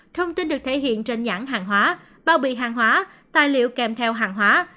thông tin được thể hiện trên nhãn hàng hóa bao bì hàng hóa tài liệu kèm theo hàng hóa